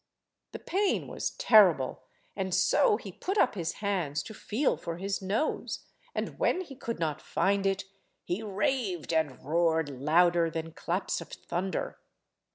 The pain was terrible, and so he put up his hands to feel for his nose, and when he could not find it, he raved and roared louder than claps of thunder.